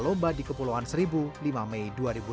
lomba di kepulauan seribu lima mei dua ribu delapan belas